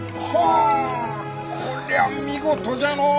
あこりゃあ見事じゃのう！